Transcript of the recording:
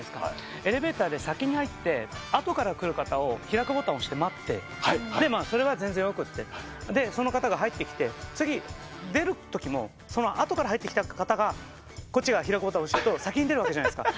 エレベーターで先に入ってあとから来る方を開くボタン押して待つそれは全然よくてその方が入ってきて出るときもそのあとから入ってきた方がこっちが開くボタン押しちゃうと先に出るわけじゃないですか。